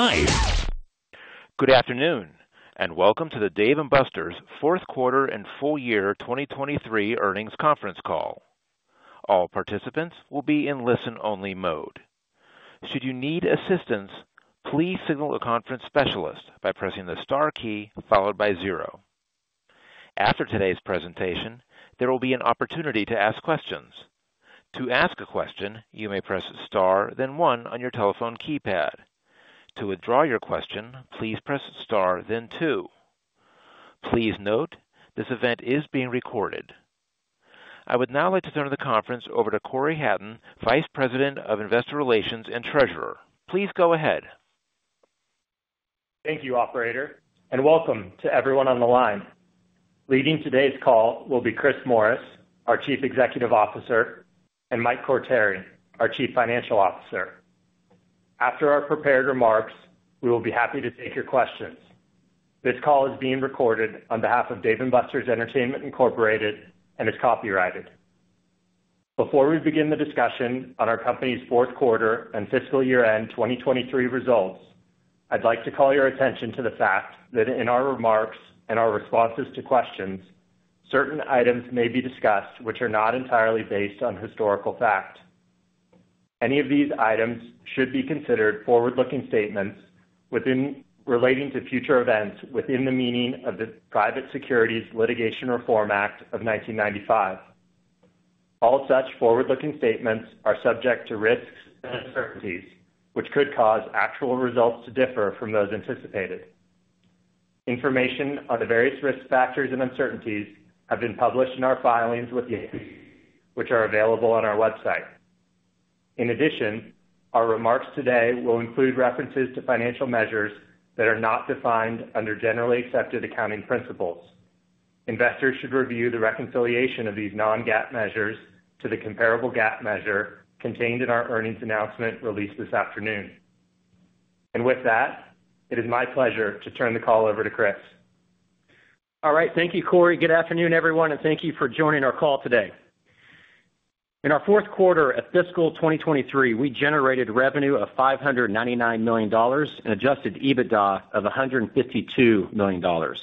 Hi. Good afternoon and welcome to the Dave & Buster's fourth quarter and full year 2023 Earnings Conference Call. All participants will be in listen-only mode. Should you need assistance, please signal a conference specialist by pressing the star key followed by zero. After today's presentation, there will be an opportunity to ask questions. To ask a question, you may press star then one on your telephone keypad. To withdraw your question, please press star then two. Please note, this event is being recorded. I would now like to turn the conference over to Cory Hatton, Vice President of Investor Relations and Treasurer. Please go ahead. Thank you, Operator, and welcome to everyone on the line. Leading today's call will be Chris Morris, our Chief Executive Officer, and Mike Quartieri, our Chief Financial Officer. After our prepared remarks, we will be happy to take your questions. This call is being recorded on behalf of Dave & Buster's Entertainment Incorporated and is copyrighted. Before we begin the discussion on our company's fourth quarter and fiscal year-end 2023 results, I'd like to call your attention to the fact that in our remarks and our responses to questions, certain items may be discussed which are not entirely based on historical fact. Any of these items should be considered forward-looking statements relating to future events within the meaning of the Private Securities Litigation Reform Act of 1995. All such forward-looking statements are subject to risks and uncertainties which could cause actual results to differ from those anticipated. Information on the various risk factors and uncertainties have been published in our filings with you, which are available on our website. In addition, our remarks today will include references to financial measures that are not defined under generally accepted accounting principles. Investors should review the reconciliation of these non-GAAP measures to the comparable GAAP measure contained in our earnings announcement released this afternoon. And with that, it is my pleasure to turn the call over to Chris. All right. Thank you, Cory. Good afternoon, everyone, and thank you for joining our call today. In our fourth quarter of fiscal 2023, we generated revenue of $599 million and adjusted EBITDA of $152 million.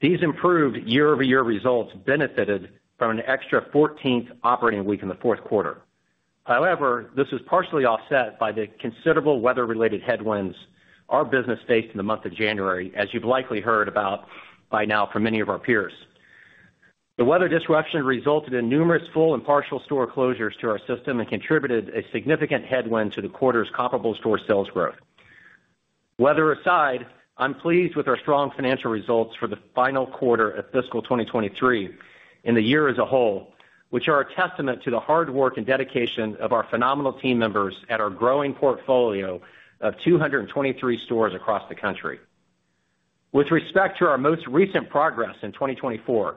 These improved year-over-year results benefited from an extra 14th operating week in the fourth quarter. However, this was partially offset by the considerable weather-related headwinds our business faced in the month of January, as you've likely heard about by now from many of our peers. The weather disruption resulted in numerous full and partial store closures to our system and contributed a significant headwind to the quarter's comparable store sales growth. Weather aside, I'm pleased with our strong financial results for the final quarter of fiscal 2023 and the year as a whole, which are a testament to the hard work and dedication of our phenomenal team members at our growing portfolio of 223 stores across the country. With respect to our most recent progress in 2024,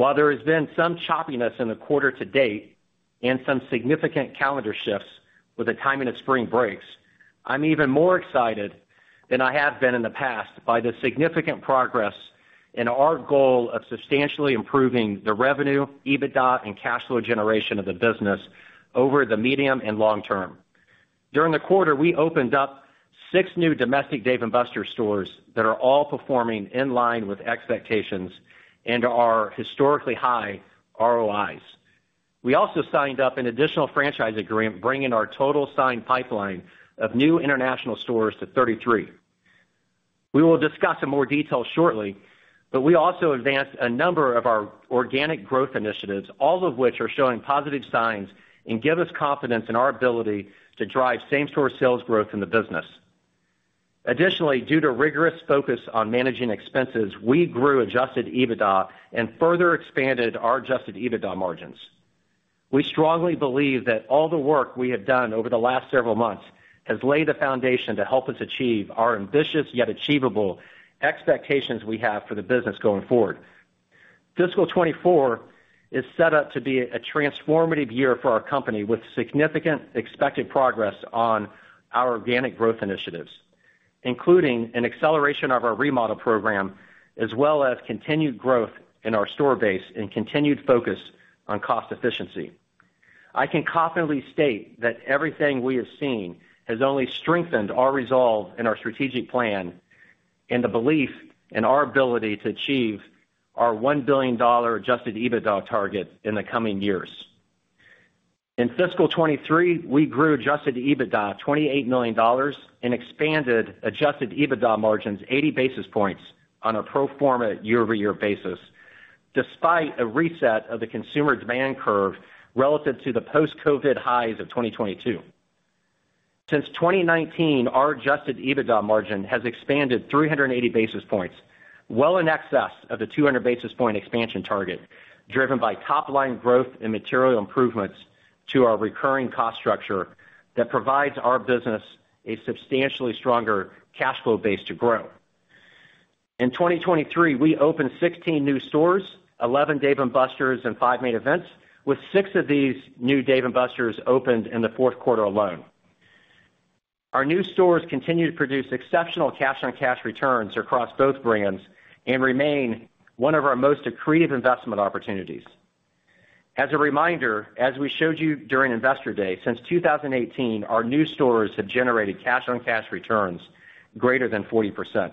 while there has been some choppiness in the quarter to date and some significant calendar shifts with the timing of spring breaks, I'm even more excited than I have been in the past by the significant progress in our goal of substantially improving the revenue, EBITDA, and cash flow generation of the business over the medium and long term. During the quarter, we opened up six new domestic Dave & Buster's stores that are all performing in line with expectations and our historically high ROIs. We also signed up an additional franchise agreement, bringing our total signed pipeline of new international stores to 33. We will discuss in more detail shortly, but we also advanced a number of our organic growth initiatives, all of which are showing positive signs and give us confidence in our ability to drive same-store sales growth in the business. Additionally, due to rigorous focus on managing expenses, we grew adjusted EBITDA and further expanded our adjusted EBITDA margins. We strongly believe that all the work we have done over the last several months has laid the foundation to help us achieve our ambitious yet achievable expectations we have for the business going forward. Fiscal 2024 is set up to be a transformative year for our company with significant expected progress on our organic growth initiatives, including an acceleration of our remodel program as well as continued growth in our store base and continued focus on cost efficiency. I can confidently state that everything we have seen has only strengthened our resolve in our strategic plan and the belief in our ability to achieve our $1 billion Adjusted EBITDA target in the coming years. In fiscal 2023, we grew Adjusted EBITDA $28 million and expanded Adjusted EBITDA margins 80 basis points on a pro forma year-over-year basis despite a reset of the consumer demand curve relative to the post-COVID highs of 2022. Since 2019, our Adjusted EBITDA margin has expanded 380 basis points, well in excess of the 200 basis point expansion target driven by top-line growth and material improvements to our recurring cost structure that provides our business a substantially stronger cash flow base to grow. In 2023, we opened 16 new stores, 11 Dave & Buster's, and five Main Events, with six of these new Dave & Buster's opened in the fourth quarter alone. Our new stores continue to produce exceptional cash-on-cash returns across both brands and remain one of our most accretive investment opportunities. As a reminder, as we showed you during Investor Day, since 2018, our new stores have generated cash-on-cash returns greater than 40%.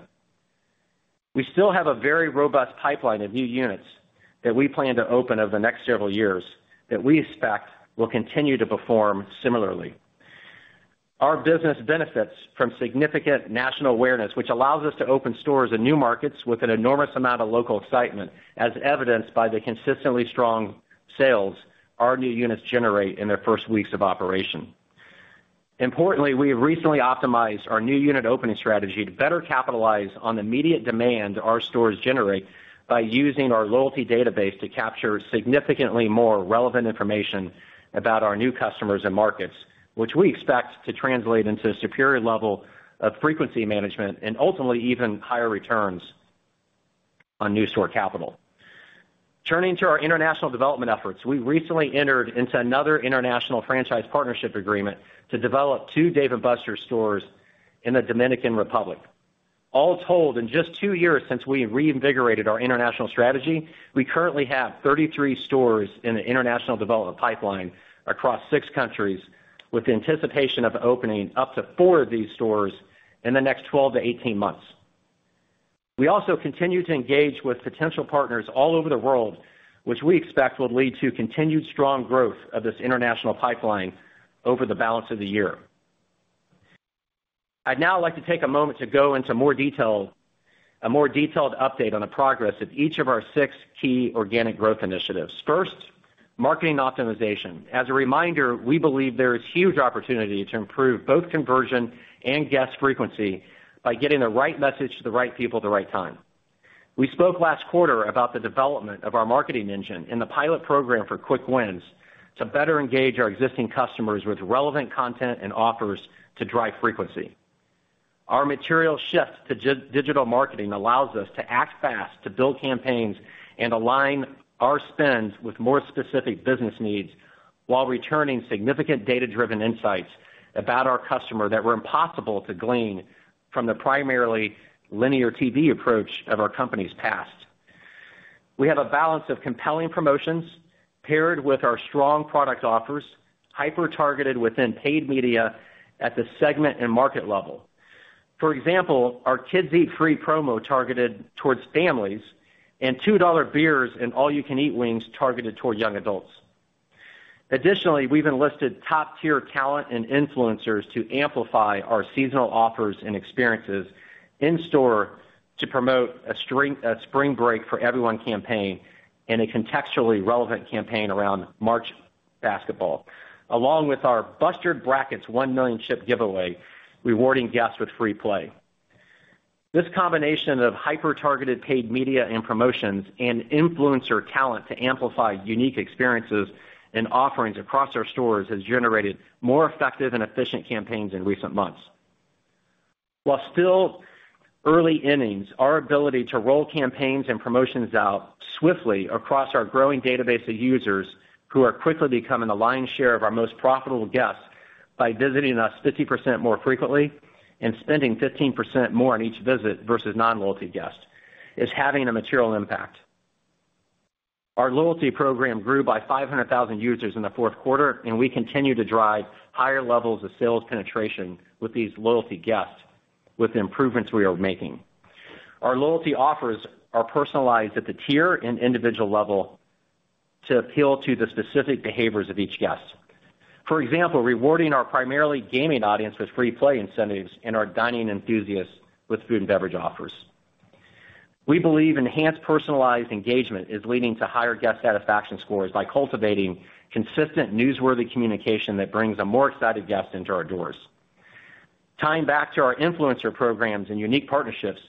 We still have a very robust pipeline of new units that we plan to open over the next several years that we expect will continue to perform similarly. Our business benefits from significant national awareness, which allows us to open stores in new markets with an enormous amount of local excitement, as evidenced by the consistently strong sales our new units generate in their first weeks of operation. Importantly, we have recently optimized our new unit opening strategy to better capitalize on the immediate demand our stores generate by using our loyalty database to capture significantly more relevant information about our new customers and markets, which we expect to translate into a superior level of frequency management and ultimately even higher returns on new store capital. Turning to our international development efforts, we recently entered into another international franchise partnership agreement to develop two Dave & Buster's stores in the Dominican Republic. All told, in just two years since we reinvigorated our international strategy, we currently have 33 stores in the international development pipeline across six countries with the anticipation of opening up to four of these stores in the next 12-18 months. We also continue to engage with potential partners all over the world, which we expect will lead to continued strong growth of this international pipeline over the balance of the year. I'd now like to take a moment to go into a more detailed update on the progress of each of our six key organic growth initiatives. First, marketing optimization. As a reminder, we believe there is huge opportunity to improve both conversion and guest frequency by getting the right message to the right people at the right time. We spoke last quarter about the development of our marketing engine and the pilot program for quick wins to better engage our existing customers with relevant content and offers to drive frequency. Our material shift to digital marketing allows us to act fast to build campaigns and align our spends with more specific business needs while returning significant data-driven insights about our customer that were impossible to glean from the primarily linear TV approach of our company's past. We have a balance of compelling promotions paired with our strong product offers hyper-targeted within paid media at the segment and market level. For example, our Kids Eat Free promo targeted towards families and $2 beers and all-you-can-eat wings targeted toward young adults. Additionally, we've enlisted top-tier talent and influencers to amplify our seasonal offers and experiences in-store to promote a spring break for everyone campaign and a contextually relevant campaign around March basketball, along with our Bustered Brackets one million chip giveaway rewarding guests with free play. This combination of hyper-targeted paid media and promotions and influencer talent to amplify unique experiences and offerings across our stores has generated more effective and efficient campaigns in recent months. While still early innings, our ability to roll campaigns and promotions out swiftly across our growing database of users who are quickly becoming the lion's share of our most profitable guests by visiting us 50% more frequently and spending 15% more on each visit versus non-loyalty guests is having a material impact. Our loyalty program grew by 500,000 users in the fourth quarter, and we continue to drive higher levels of sales penetration with these loyalty guests with the improvements we are making. Our loyalty offers are personalized at the tier and individual level to appeal to the specific behaviors of each guest. For example, rewarding our primarily gaming audience with free play incentives and our dining enthusiasts with food and beverage offers. We believe enhanced personalized engagement is leading to higher guest satisfaction scores by cultivating consistent newsworthy communication that brings a more excited guest into our doors. Tying back to our influencer programs and unique partnerships,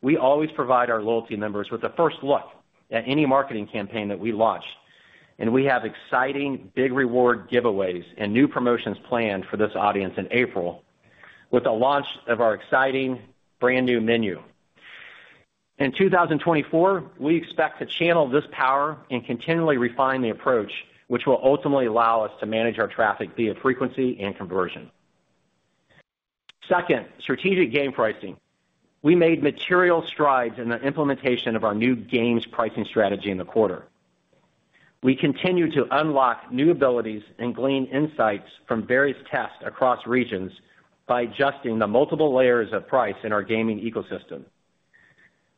we always provide our loyalty members with a first look at any marketing campaign that we launch, and we have exciting big reward giveaways and new promotions planned for this audience in April with the launch of our exciting brand new menu. In 2024, we expect to channel this power and continually refine the approach, which will ultimately allow us to manage our traffic via frequency and conversion. Second, strategic game pricing. We made material strides in the implementation of our new games pricing strategy in the quarter. We continue to unlock new abilities and glean insights from various tests across regions by adjusting the multiple layers of price in our gaming ecosystem.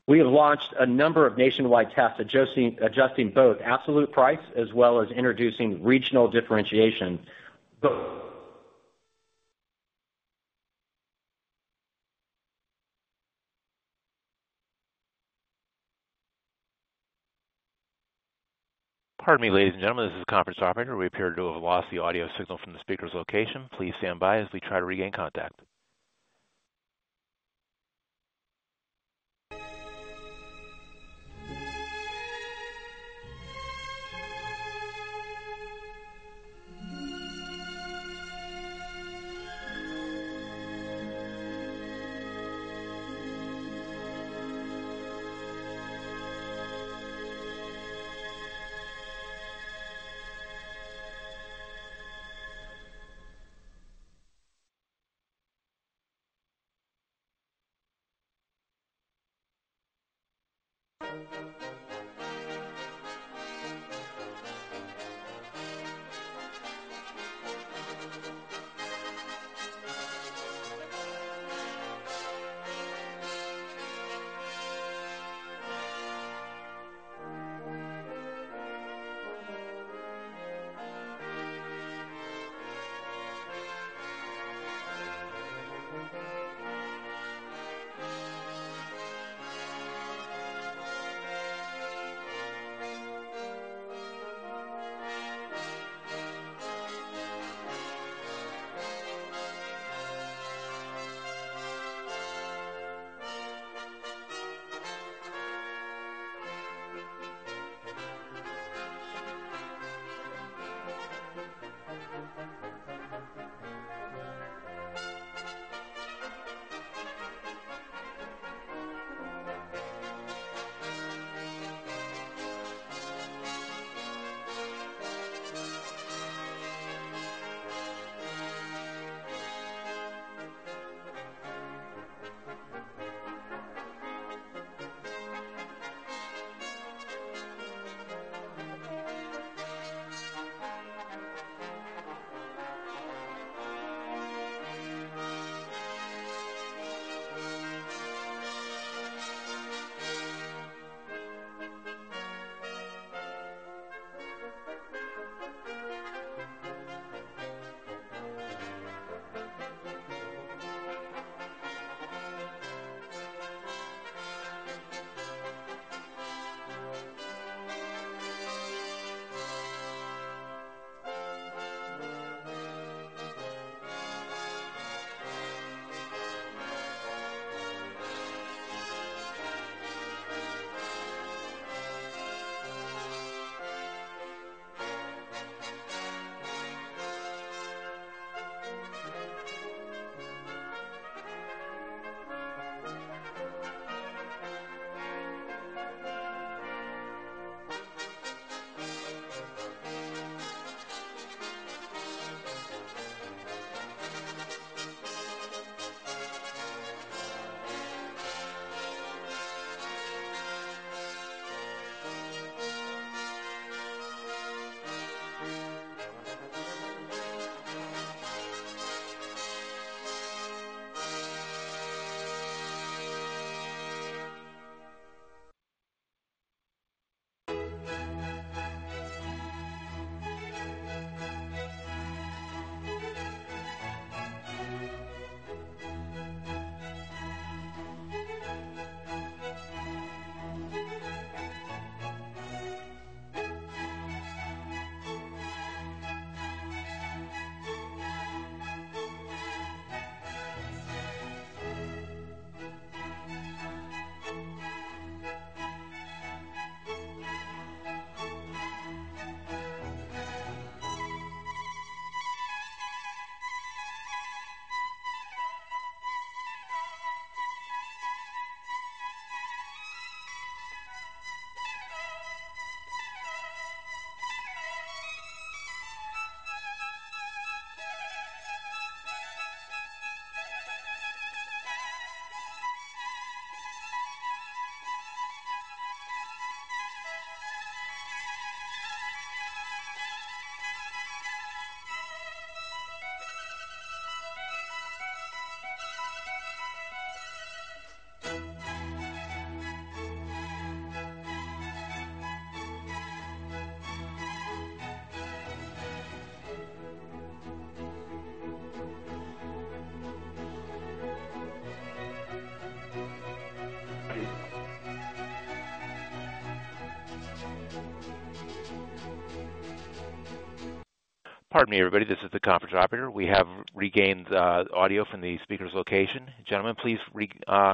We have launched a number of nationwide tests adjusting both absolute price as well as introducing regional differentiation. Pardon me, ladies and gentlemen. This is Conference Operator. We appear to have lost the audio signal from the speaker's location. Please stand by as we try to regain contact. Pardon me, everybody. This is the Conference Operator. We have regained audio from the speaker's location. Gentlemen, please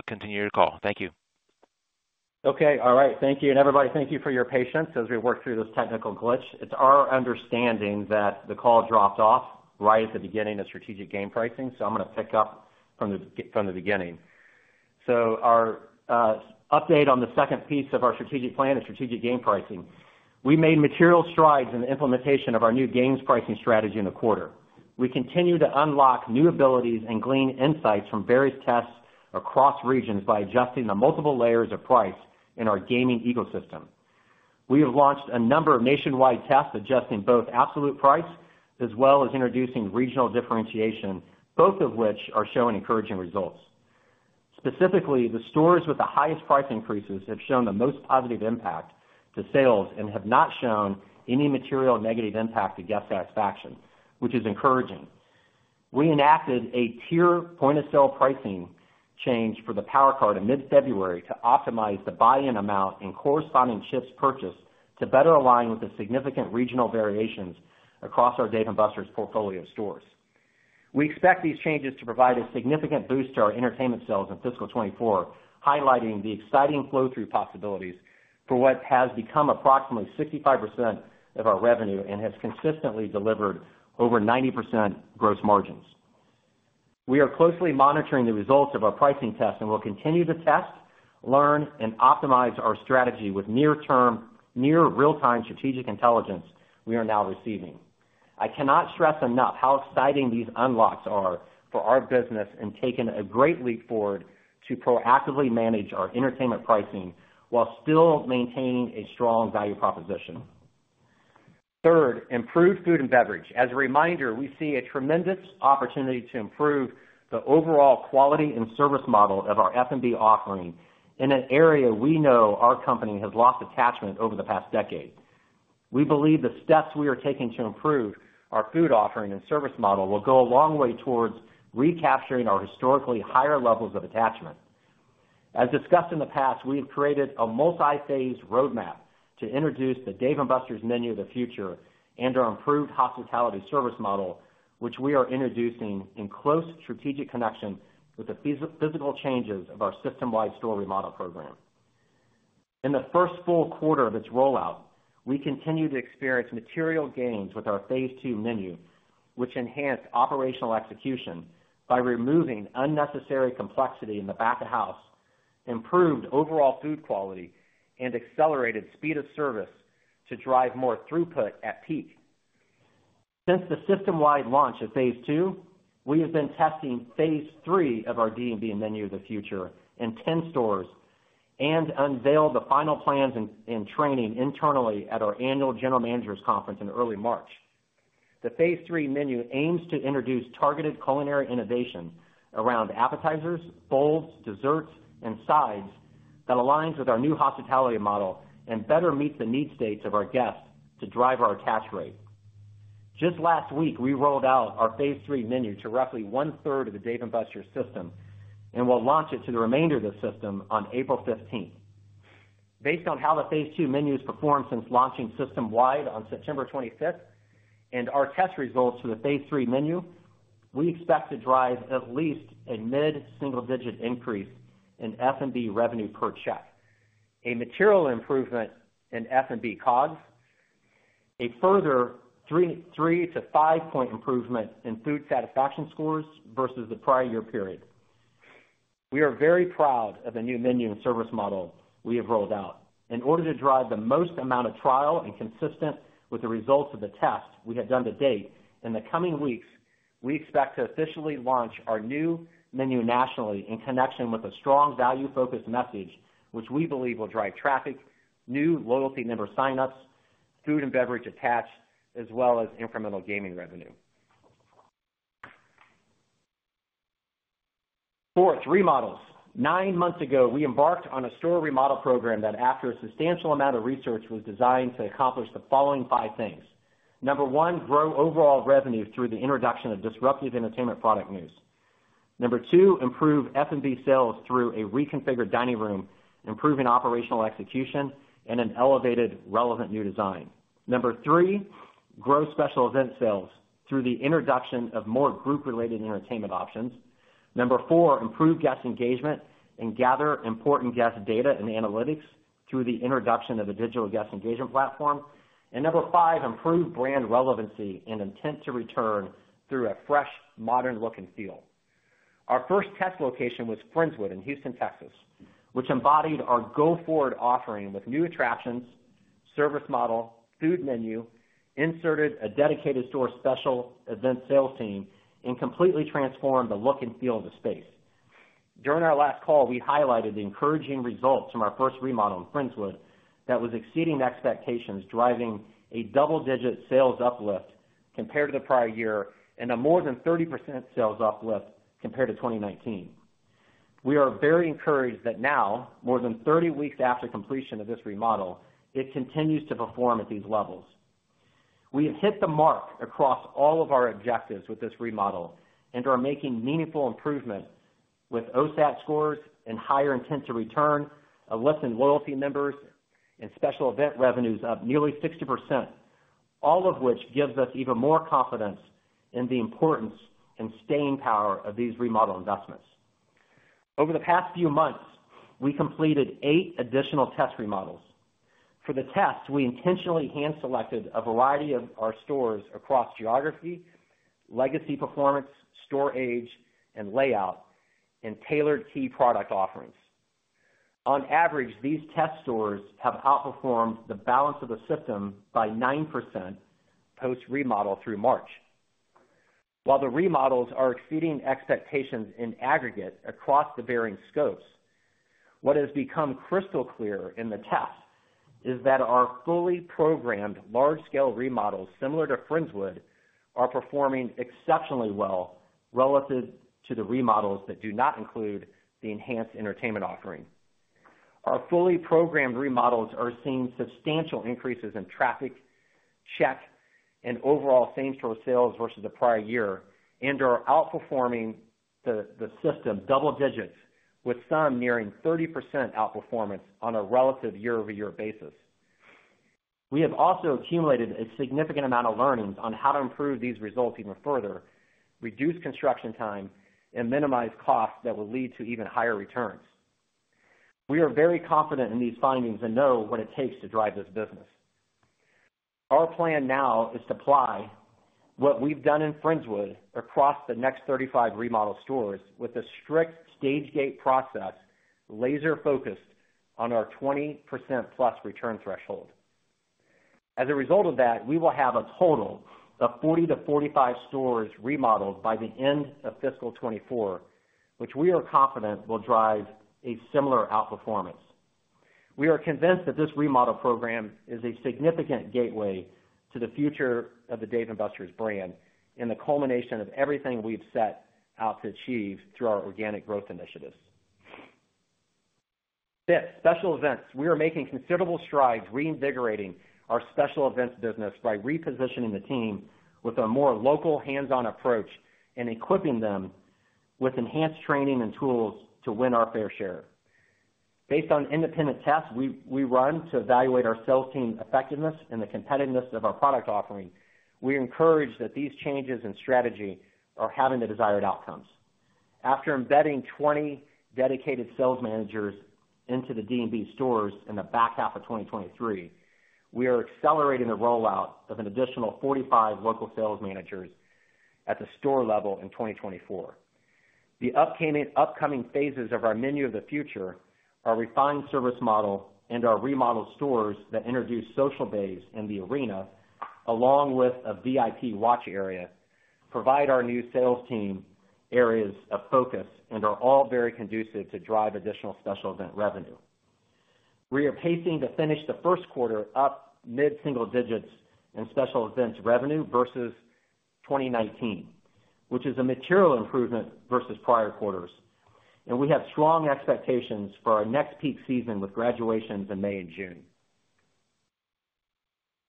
continue your call. Thank you. Okay. All right. Thank you. Everybody, thank you for your patience as we work through this technical glitch. It's our understanding that the call dropped off right at the beginning of strategic game pricing, so I'm going to pick up from the beginning. Our update on the second piece of our strategic plan is strategic game pricing. We made material strides in the implementation of our new games pricing strategy in the quarter. We continue to unlock new abilities and glean insights from various tests across regions by adjusting the multiple layers of price in our gaming ecosystem. We have launched a number of nationwide tests adjusting both absolute price as well as introducing regional differentiation, both of which are showing encouraging results. Specifically, the stores with the highest price increases have shown the most positive impact to sales and have not shown any material negative impact to guest satisfaction, which is encouraging. We enacted a tier point-of-sale pricing change for the PowerCard in mid-February to optimize the buy-in amount and corresponding chips purchased to better align with the significant regional variations across our Dave & Buster's portfolio stores. We expect these changes to provide a significant boost to our entertainment sales in fiscal 2024, highlighting the exciting flow-through possibilities for what has become approximately 65% of our revenue and has consistently delivered over 90% gross margins. We are closely monitoring the results of our pricing tests and will continue to test, learn, and optimize our strategy with near-term, near-real-time strategic intelligence we are now receiving. I cannot stress enough how exciting these unlocks are for our business and taking a great leap forward to proactively manage our entertainment pricing while still maintaining a strong value proposition. Third, improved food and beverage. As a reminder, we see a tremendous opportunity to improve the overall quality and service model of our F&B offering in an area we know our company has lost attachment over the past decade. We believe the steps we are taking to improve our food offering and service model will go a long way towards recapturing our historically higher levels of attachment. As discussed in the past, we have created a multiphase roadmap to introduce the Dave & Buster's Menu of the Future and our improved hospitality service model, which we are introducing in close strategic connection with the physical changes of our system-wide store remodel program. In the first full quarter of its rollout, we continue to experience material gains with our phase II menu, which enhanced operational execution by removing unnecessary complexity in the back of house, improved overall food quality, and accelerated speed of service to drive more throughput at peak. Since the system-wide launch of phase II, we have been testing phase III of our D&B Menu of the Future in 10 stores and unveiled the final plans and training internally at our annual general managers' conference in early March. The phase III menu aims to introduce targeted culinary innovation around appetizers, bowls, desserts, and sides that aligns with our new hospitality model and better meets the need states of our guests to drive our attach rate. Just last week, we rolled out our phase III menu to roughly one-third of the Dave & Buster's system and will launch it to the remainder of the system on April 15th. Based on how the phase II menu has performed since launching system-wide on September 25th and our test results for the phase III menu, we expect to drive at least a mid-single-digit increase in F&B revenue per check, a material improvement in F&B COGS, a further three to five-point improvement in food satisfaction scores versus the prior year period. We are very proud of the new menu and service model we have rolled out. In order to drive the most amount of trial and consistent with the results of the tests we have done to date in the coming weeks, we expect to officially launch our new menu nationally in connection with a strong value-focused message, which we believe will drive traffic, new loyalty member signups, food and beverage attached, as well as incremental gaming revenue. Fourth, remodels. Nine months ago, we embarked on a store remodel program that, after a substantial amount of research, was designed to accomplish the following five things. Number one, grow overall revenue through the introduction of disruptive entertainment product news. Number two, improve F&B sales through a reconfigured dining room, improving operational execution, and an elevated relevant new design. Number three, grow special event sales through the introduction of more group-related entertainment options. Number four, improve guest engagement and gather important guest data and analytics through the introduction of a digital guest engagement platform. Number five, improve brand relevancy and intent to return through a fresh, modern look and feel. Our first test location was Friendswood in Houston, Texas, which embodied our go-forward offering with new attractions, service model, food menu, inserted a dedicated store special event sales team, and completely transformed the look and feel of the space. During our last call, we highlighted the encouraging results from our first remodel in Friendswood that was exceeding expectations, driving a double-digit sales uplift compared to the prior year and a more than 30% sales uplift compared to 2019. We are very encouraged that now, more than 30 weeks after completion of this remodel, it continues to perform at these levels. We have hit the mark across all of our objectives with this remodel and are making meaningful improvements with OSAT scores and higher intent to return, a lessened loyalty members, and special event revenues of nearly 60%, all of which gives us even more confidence in the importance and staying power of these remodel investments. Over the past few months, we completed 8 additional test remodels. For the tests, we intentionally hand-selected a variety of our stores across geography, legacy performance, store age, and layout, and tailored key product offerings. On average, these test stores have outperformed the balance of the system by 9% post-remodel through March. While the remodels are exceeding expectations in aggregate across the varying scopes, what has become crystal clear in the tests is that our fully programmed large-scale remodels, similar to Friendswood, are performing exceptionally well relative to the remodels that do not include the enhanced entertainment offering. Our fully programmed remodels are seeing substantial increases in traffic, check, and overall same-store sales versus the prior year and are outperforming the system double digits, with some nearing 30% outperformance on a relative year-over-year basis. We have also accumulated a significant amount of learnings on how to improve these results even further, reduce construction time, and minimize costs that will lead to even higher returns. We are very confident in these findings and know what it takes to drive this business. Our plan now is to apply what we've done in Friendswood across the next 35 remodeled stores with a strict stage-gate process laser-focused on our 20%+ return threshold. As a result of that, we will have a total of 40-45 stores remodeled by the end of fiscal 2024, which we are confident will drive a similar outperformance. We are convinced that this remodel program is a significant gateway to the future of the Dave & Buster's brand and the culmination of everything we've set out to achieve through our organic growth initiatives. Fifth, special events. We are making considerable strides reinvigorating our special events business by repositioning the team with a more local, hands-on approach and equipping them with enhanced training and tools to win our fair share. Based on independent tests we run to evaluate our sales team's effectiveness and the competitiveness of our product offering, we encourage that these changes in strategy are having the desired outcomes. After embedding 20 dedicated sales managers into the D&B stores in the back half of 2023, we are accelerating the rollout of an additional 45 local sales managers at the store level in 2024. The upcoming phases of our Menu of the Future, our refined service model, and our remodeled stores that introduce Social Bays and The Arena, along with a VIP watch area, provide our new sales team areas of focus and are all very conducive to drive additional special event revenue. We are pacing to finish the first quarter up mid-single digits in special events revenue versus 2019, which is a material improvement versus prior quarters. We have strong expectations for our next peak season with graduations in May and June.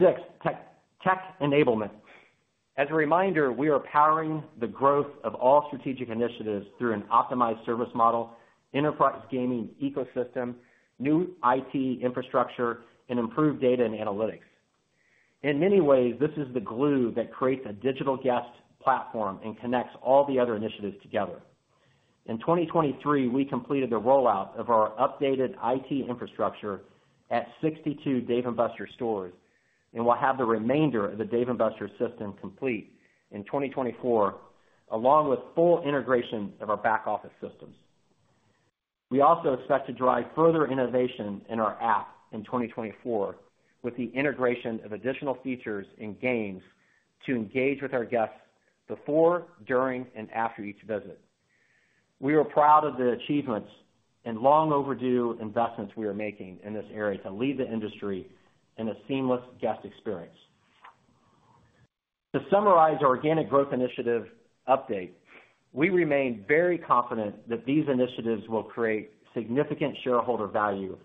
Sixth, tech enablement. As a reminder, we are powering the growth of all strategic initiatives through an optimized service model, enterprise gaming ecosystem, new IT infrastructure, and improved data and analytics. In many ways, this is the glue that creates a digital guest platform and connects all the other initiatives together. In 2023, we completed the rollout of our updated IT infrastructure at 62 Dave & Buster's stores and will have the remainder of the Dave & Buster's system complete in 2024, along with full integration of our back office systems. We also expect to drive further innovation in our app in 2024 with the integration of additional features and games to engage with our guests before, during, and after each visit. We are proud of the achievements and long-overdue investments we are making in this area to lead the industry in a seamless guest experience. To summarize our organic growth initiative update, we remain very confident that these initiatives will create significant shareholder value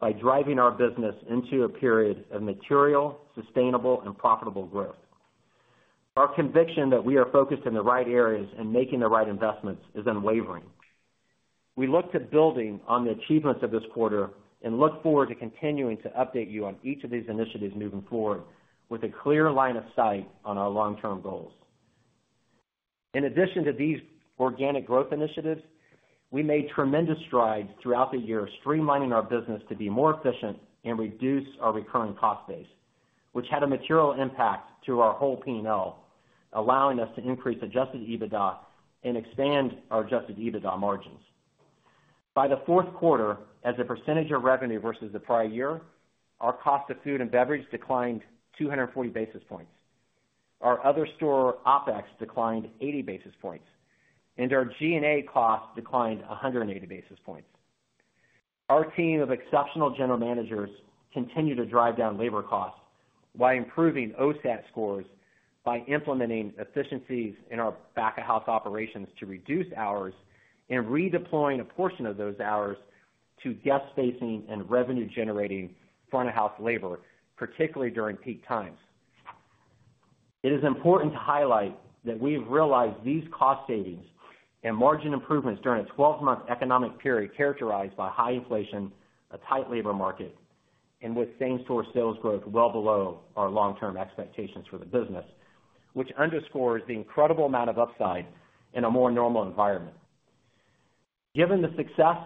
by driving our business into a period of material, sustainable, and profitable growth. Our conviction that we are focused in the right areas and making the right investments is unwavering. We look to building on the achievements of this quarter and look forward to continuing to update you on each of these initiatives moving forward with a clear line of sight on our long-term goals. In addition to these organic growth initiatives, we made tremendous strides throughout the year streamlining our business to be more efficient and reduce our recurring cost base, which had a material impact to our whole P&L, allowing us to increase adjusted EBITDA and expand our adjusted EBITDA margins. By the fourth quarter, as a percentage of revenue versus the prior year, our cost of food and beverage declined 240 basis points. Our other store OpEx declined 80 basis points, and our G&A cost declined 180 basis points. Our team of exceptional general managers continue to drive down labor costs while improving OSAT scores by implementing efficiencies in our back-of-house operations to reduce hours and redeploying a portion of those hours to guest-facing and revenue-generating front-of-house labor, particularly during peak times. It is important to highlight that we have realized these cost savings and margin improvements during a 12-month economic period characterized by high inflation, a tight labor market, and with same-store sales growth well below our long-term expectations for the business, which underscores the incredible amount of upside in a more normal environment. Given the success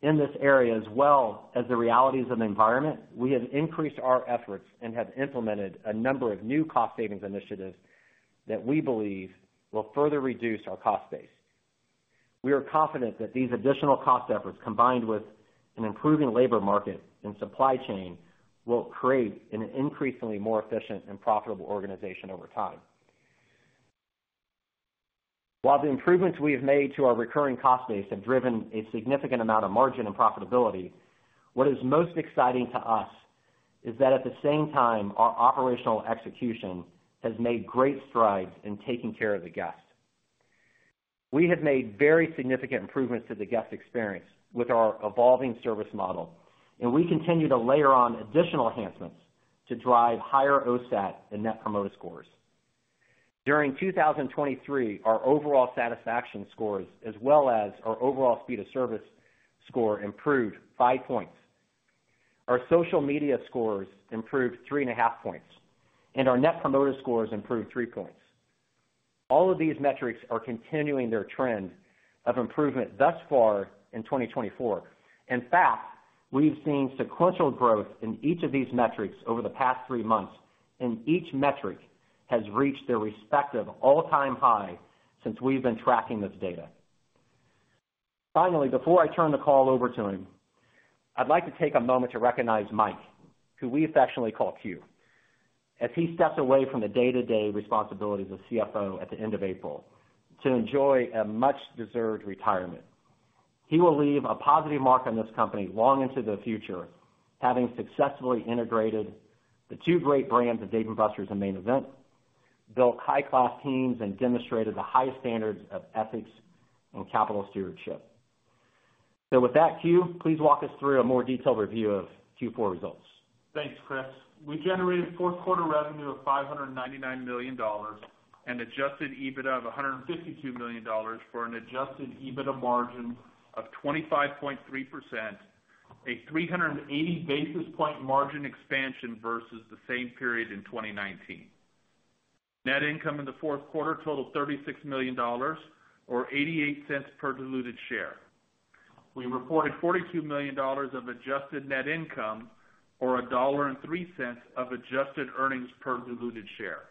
in this area as well as the realities of the environment, we have increased our efforts and have implemented a number of new cost savings initiatives that we believe will further reduce our cost base. We are confident that these additional cost efforts, combined with an improving labor market and supply chain, will create an increasingly more efficient and profitable organization over time. While the improvements we have made to our recurring cost base have driven a significant amount of margin and profitability, what is most exciting to us is that at the same time, our operational execution has made great strides in taking care of the guest. We have made very significant improvements to the guest experience with our evolving service model, and we continue to layer on additional enhancements to drive higher OSAT and Net Promoter Scores. During 2023, our overall satisfaction scores, as well as our overall speed of service score, improved five points. Our social media scores improved 3.5 points, and our Net Promoter Scores improved three points. All of these metrics are continuing their trend of improvement thus far in 2024. In fact, we've seen sequential growth in each of these metrics over the past three months, and each metric has reached their respective all-time high since we've been tracking this data. Finally, before I turn the call over to him, I'd like to take a moment to recognize Mike, who we affectionately call Q, as he steps away from the day-to-day responsibilities of CFO at the end of April to enjoy a much-deserved retirement. He will leave a positive mark on this company long into the future, having successfully integrated the two great brands of Dave & Buster's and Main Event, built high-class teams, and demonstrated the highest standards of ethics and capital stewardship. So with that, Q, please walk us through a more detailed review of Q4 results. Thanks, Chris. We generated fourth quarter revenue of $599 million and adjusted EBITDA of $152 million for an adjusted EBITDA margin of 25.3%, a 380 basis point margin expansion versus the same period in 2019. Net income in the fourth quarter totaled $36 million or $0.88 per diluted share. We reported $42 million of adjusted net income or $1.03 of adjusted earnings per diluted share.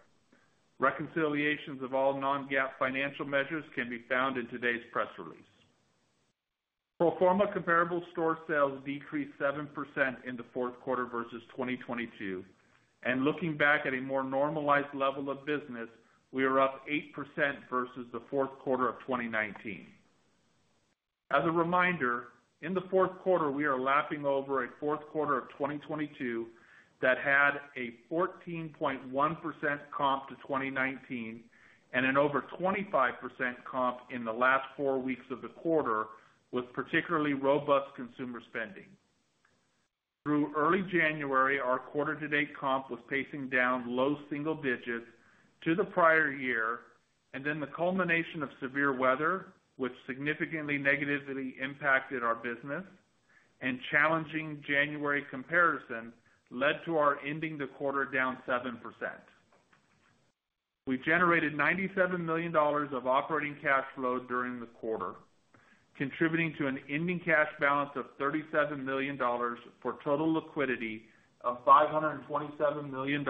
Reconciliations of all non-GAAP financial measures can be found in today's press release. Pro forma comparable store sales decreased 7% in the fourth quarter versus 2022, and looking back at a more normalized level of business, we are up 8% versus the fourth quarter of 2019. As a reminder, in the fourth quarter, we are lapping over a fourth quarter of 2022 that had a 14.1% comp to 2019 and an over 25% comp in the last four weeks of the quarter, with particularly robust consumer spending. Through early January, our quarter-to-date comp was pacing down low single digits to the prior year, and then the culmination of severe weather, which significantly negatively impacted our business and challenging January comparison, led to our ending the quarter down 7%. We generated $97 million of operating cash flow during the quarter, contributing to an ending cash balance of $37 million for total liquidity of $527 million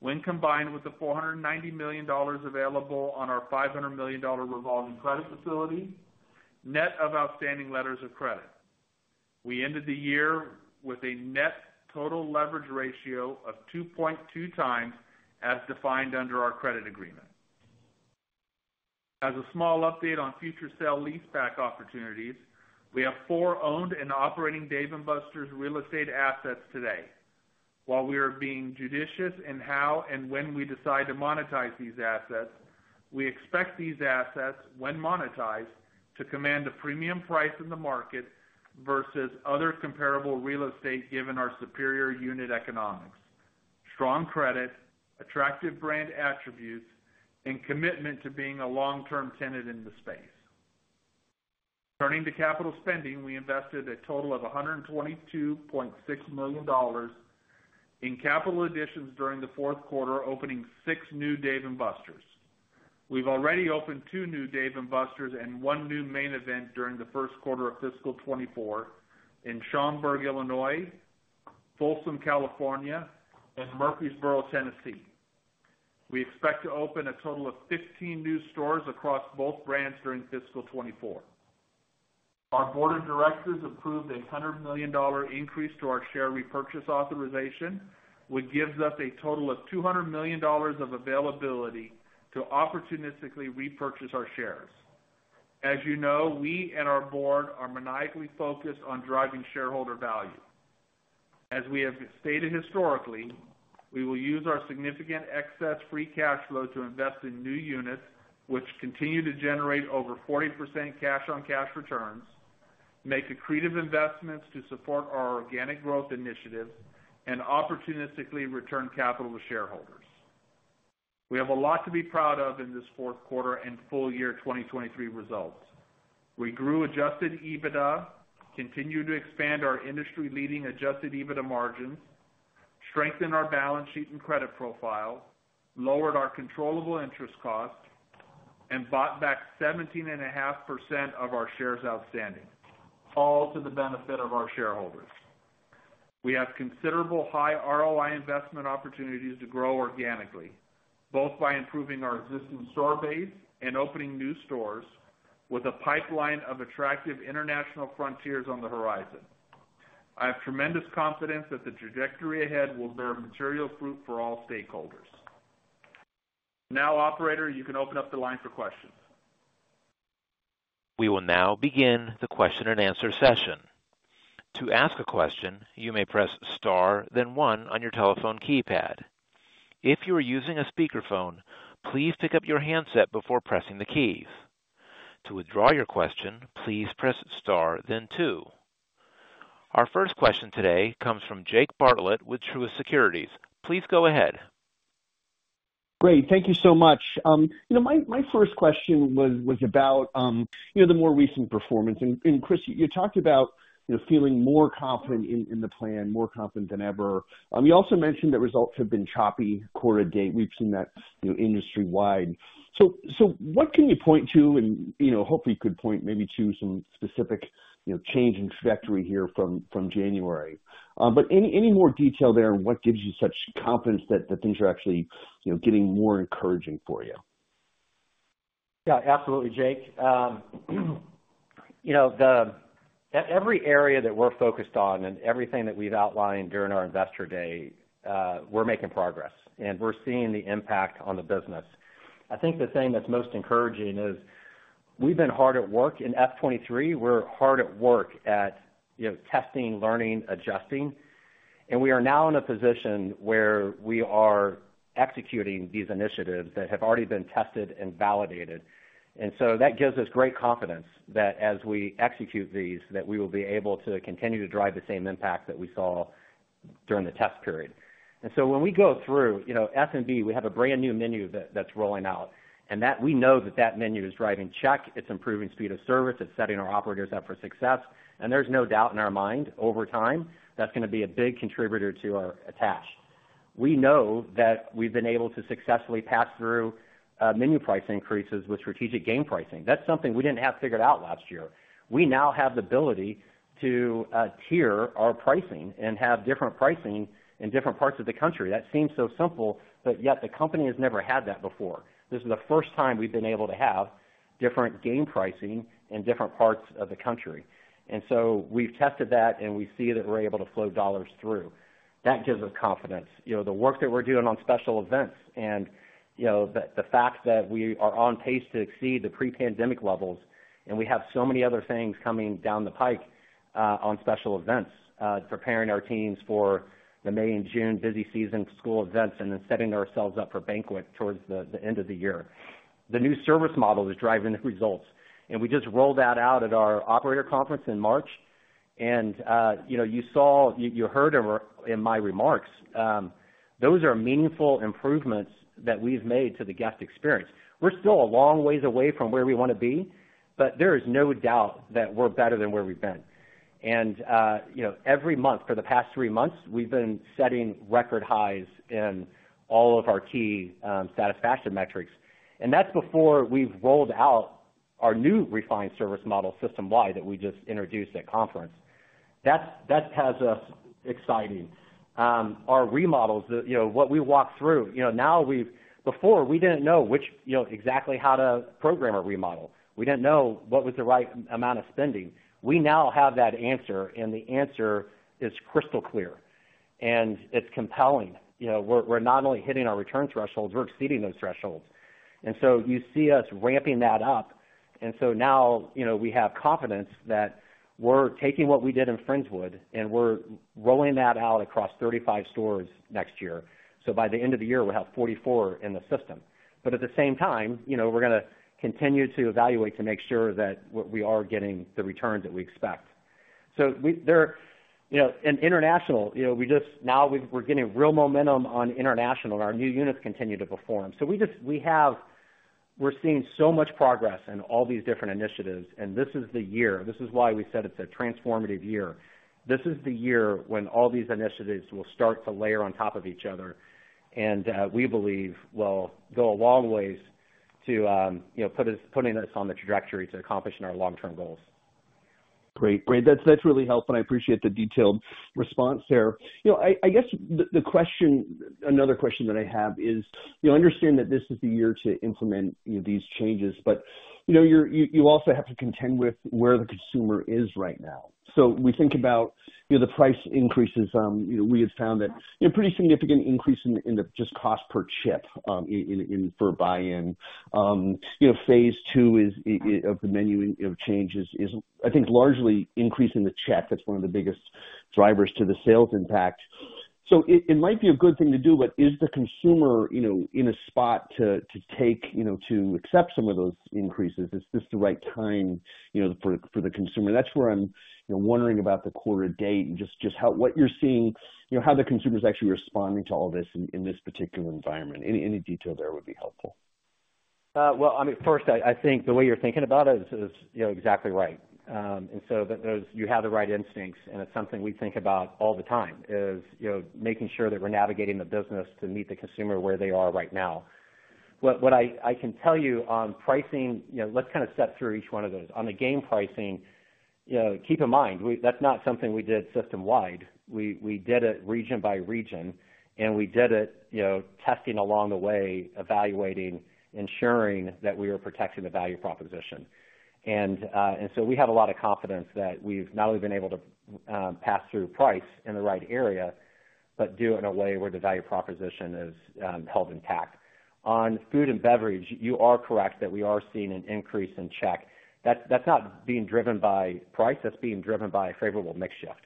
when combined with the $490 million available on our $500 million revolving credit facility, net of outstanding letters of credit. We ended the year with a net total leverage ratio of 2.2x as defined under our credit agreement. As a small update on future sale leaseback opportunities, we have four owned and operating Dave & Buster's real estate assets today. While we are being judicious in how and when we decide to monetize these assets, we expect these assets, when monetized, to command a premium price in the market versus other comparable real estate given our superior unit economics, strong credit, attractive brand attributes, and commitment to being a long-term tenant in the space. Turning to capital spending, we invested a total of $122.6 million in capital additions during the fourth quarter, opening six new Dave & Buster's. We've already opened two new Dave & Buster's and one new Main Event during the first quarter of fiscal 2024 in Schaumburg, Illinois, Folsom, California, and Murfreesboro, Tennessee. We expect to open a total of 15 new stores across both brands during fiscal 2024. Our board of directors approved a $100 million increase to our share repurchase authorization, which gives us a total of $200 million of availability to opportunistically repurchase our shares. As you know, we and our board are maniacally focused on driving shareholder value. As we have stated historically, we will use our significant excess free cash flow to invest in new units, which continue to generate over 40% cash-on-cash returns, make accretive investments to support our organic growth initiatives, and opportunistically return capital to shareholders. We have a lot to be proud of in this fourth quarter and full year 2023 results. We grew Adjusted EBITDA, continued to expand our industry-leading Adjusted EBITDA margins, strengthened our balance sheet and credit profile, lowered our controllable interest cost, and bought back 17.5% of our shares outstanding, all to the benefit of our shareholders. We have considerable high ROI investment opportunities to grow organically, both by improving our existing store base and opening new stores with a pipeline of attractive international frontiers on the horizon. I have tremendous confidence that the trajectory ahead will bear material fruit for all stakeholders. Now, operator, you can open up the line for questions. We will now begin the question-and-answer session. To ask a question, you may press star, then one, on your telephone keypad. If you are using a speakerphone, please pick up your handset before pressing the keys. To withdraw your question, please press star, then two. Our first question today comes from Jake Bartlett with Truist Securities. Please go ahead. Great. Thank you so much. My first question was about the more recent performance. Chris, you talked about feeling more confident in the plan, more confident than ever. You also mentioned that results have been choppy quarter to date. We've seen that industry-wide. What can you point to? Hopefully, you could point maybe to some specific change in trajectory here from January. Any more detail there on what gives you such confidence that things are actually getting more encouraging for you? Yeah, absolutely, Jake. Every area that we're focused on and everything that we've outlined during our investor day, we're making progress, and we're seeing the impact on the business. I think the thing that's most encouraging is we've been hard at work. In F-23, we're hard at work at testing, learning, adjusting. We are now in a position where we are executing these initiatives that have already been tested and validated. That gives us great confidence that as we execute these, that we will be able to continue to drive the same impact that we saw during the test period. When we go through F&B, we have a brand new menu that's rolling out. We know that that menu is driving check. It's improving speed of service. It's setting our operators up for success. And there's no doubt in our mind over time that's going to be a big contributor to our attach. We know that we've been able to successfully pass through menu price increases with strategic game pricing. That's something we didn't have figured out last year. We now have the ability to tier our pricing and have different pricing in different parts of the country. That seems so simple, but yet the company has never had that before. This is the first time we've been able to have different game pricing in different parts of the country. And so we've tested that, and we see that we're able to flow dollars through. That gives us confidence. The work that we're doing on special events and the fact that we are on pace to exceed the pre-pandemic levels, and we have so many other things coming down the pike on special events, preparing our teams for the May and June busy season school events and then setting ourselves up for banquet towards the end of the year. The new service model is driving the results. We just rolled that out at our operator conference in March. You heard in my remarks, those are meaningful improvements that we've made to the guest experience. We're still a long ways away from where we want to be, but there is no doubt that we're better than where we've been. Every month for the past three months, we've been setting record highs in all of our key satisfaction metrics. That's before we've rolled out our new refined service model system-wide that we just introduced at conference. That has us excited. Our remodels, what we walk through, now, before we didn't know exactly how to program a remodel. We didn't know what was the right amount of spending. We now have that answer, and the answer is crystal clear. It's compelling. We're not only hitting our return thresholds, we're exceeding those thresholds. So you see us ramping that up. So now we have confidence that we're taking what we did in Friendswood, and we're rolling that out across 35 stores next year. By the end of the year, we'll have 44 in the system. But at the same time, we're going to continue to evaluate to make sure that we are getting the returns that we expect. So in international, now we're getting real momentum on international, and our new units continue to perform. So we're seeing so much progress in all these different initiatives. And this is the year. This is why we said it's a transformative year. This is the year when all these initiatives will start to layer on top of each other, and we believe will go a long ways to putting us on the trajectory to accomplishing our long-term goals. Great. Great. That's really helpful, and I appreciate the detailed response there. I guess another question that I have is, I understand that this is the year to implement these changes, but you also have to contend with where the consumer is right now. So we think about the price increases. We had found a pretty significant increase in the just cost per chip for buy-in. Phase II of the menu change is, I think, largely increasing the check. That's one of the biggest drivers to the sales impact. So it might be a good thing to do, but is the consumer in a spot to take to accept some of those increases? Is this the right time for the consumer? That's where I'm wondering about the quarter to date, just what you're seeing, how the consumer's actually responding to all this in this particular environment. Any detail there would be helpful. Well, I mean, first, I think the way you're thinking about it is exactly right. And so you have the right instincts, and it's something we think about all the time, is making sure that we're navigating the business to meet the consumer where they are right now. What I can tell you on pricing, let's kind of step through each one of those. On the game pricing, keep in mind, that's not something we did system-wide. We did it region by region, and we did it testing along the way, evaluating, ensuring that we were protecting the value proposition. And so we have a lot of confidence that we've not only been able to pass through price in the right area, but do it in a way where the value proposition is held intact. On Food and Beverage, you are correct that we are seeing an increase in check. That's not being driven by price. That's being driven by a favorable mix shift.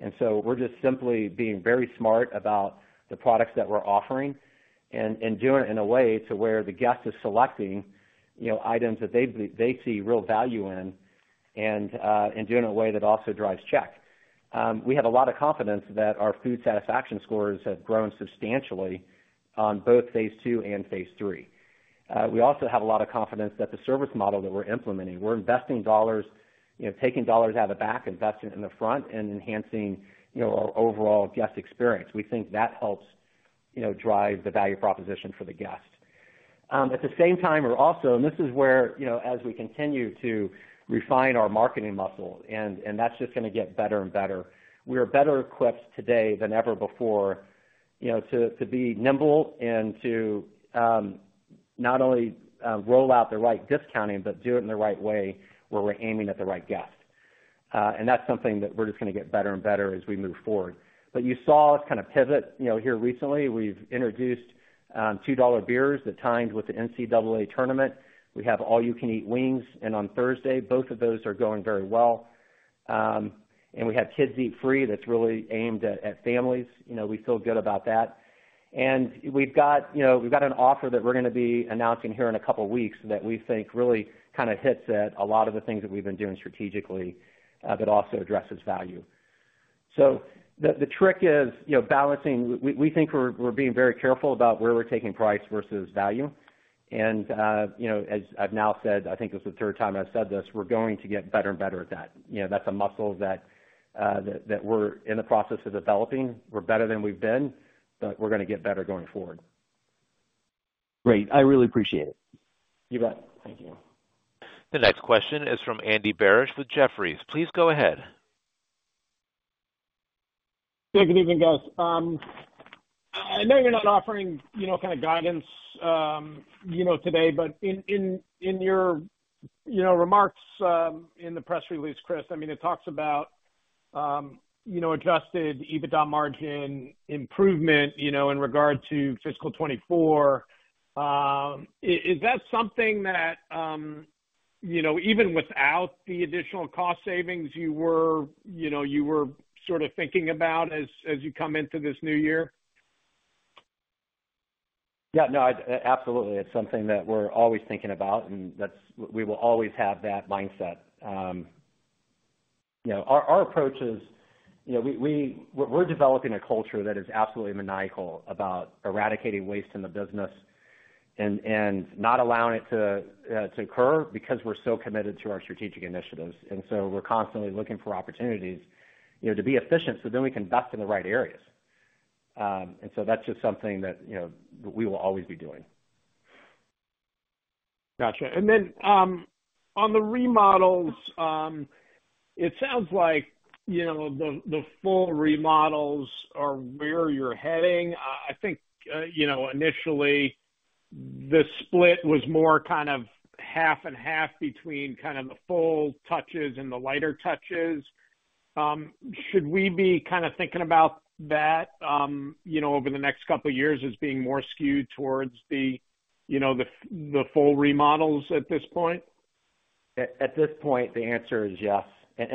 And so we're just simply being very smart about the products that we're offering and doing it in a way to where the guest is selecting items that they see real value in and doing it in a way that also drives check. We have a lot of confidence that our food satisfaction scores have grown substantially on both phase two and phase three. We also have a lot of confidence that the service model that we're implementing, we're investing dollars, taking dollars out of the back, investing in the front, and enhancing our overall guest experience. We think that helps drive the value proposition for the guest. At the same time, we're also and this is where, as we continue to refine our marketing muscle, and that's just going to get better and better, we are better equipped today than ever before to be nimble and to not only roll out the right discounting, but do it in the right way where we're aiming at the right guest. And that's something that we're just going to get better and better as we move forward. But you saw us kind of pivot here recently. We've introduced $2 beers that timed with the NCAA tournament. We have all-you-can-eat wings. And on Thursday, both of those are going very well. And we have kids-eat-free that's really aimed at families. We feel good about that. And we've got an offer that we're going to be announcing here in a couple of weeks that we think really kind of hits at a lot of the things that we've been doing strategically, but also addresses value. So the trick is balancing. We think we're being very careful about where we're taking price versus value. And as I've now said, I think this is the third time I've said this, we're going to get better and better at that. That's a muscle that we're in the process of developing. We're better than we've been, but we're going to get better going forward. Great. I really appreciate it. You bet. Thank you. The next question is from Andy Barish with Jefferies. Please go ahead. Yeah. Good evening, guys. I know you're not offering kind of guidance today, but in your remarks in the press release, Chris, I mean, it talks about Adjusted EBITDA margin improvement in regard to fiscal 2024. Is that something that, even without the additional cost savings, you were sort of thinking about as you come into this new year? Yeah. No, absolutely. It's something that we're always thinking about, and we will always have that mindset. Our approach is we're developing a culture that is absolutely maniacal about eradicating waste in the business and not allowing it to occur because we're so committed to our strategic initiatives. And so we're constantly looking for opportunities to be efficient so then we can invest in the right areas. And so that's just something that we will always be doing. Gotcha. And then on the remodels, it sounds like the full remodels are where you're heading. I think initially, the split was more kind of 50/50 between kind of the full touches and the lighter touches. Should we be kind of thinking about that over the next couple of years as being more skewed towards the full remodels at this point? At this point, the answer is yes.